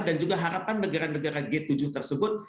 dan juga harapan negara negara g tujuh tersebut